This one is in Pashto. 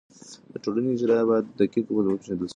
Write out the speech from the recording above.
د ټولنې اجزا باید په دقت وپېژندل سي.